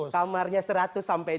kamarnya seratus sampai dua